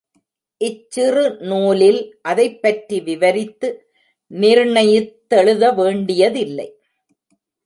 இச்சிறு நூலில் அதைப்பற்றி விவரித்து நிர்ணயித் தெழுதவேண்டியதில்லை.